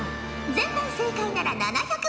全問正解なら７００